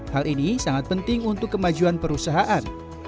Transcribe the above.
hal ini sangat penting untuk kemajuan perusahaan